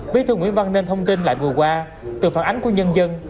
bí thư nguyễn văn nên thông tin lại vừa qua từ phản ánh của nhân dân